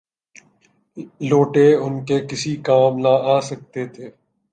لوٹے ان کے کسی کام نہ آ سکتے تھے۔